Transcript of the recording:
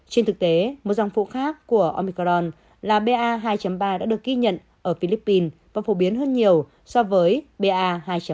trên thực tế một dòng phụ khác của omicron là ba hai ba đã được ghi nhận ở philippines và phổ biến hơn nhiều so với ba hai hai